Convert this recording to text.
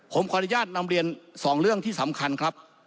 ผมขออนุญาตนำเรียน๒เรื่องที่สำคัญครับ